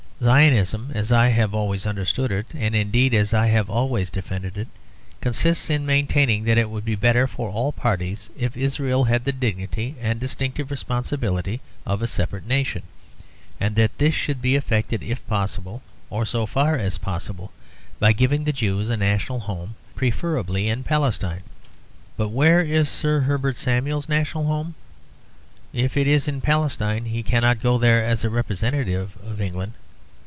Zionism, as I have always understood it, and indeed as I have always defended it, consists in maintaining that it would be better for all parties if Israel had the dignity and distinctive responsibility of a separate nation; and that this should be effected, if possible, or so far as possible, by giving the Jews a national home, preferably in Palestine. But where is Sir Herbert Samuel's national home? If it is in Palestine he cannot go there as a representative of England.